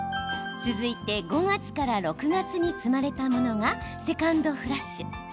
続いて５月から６月に摘まれたものがセカンドフラッシュ。